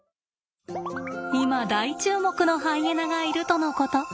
今大注目のハイエナがいるとのこと。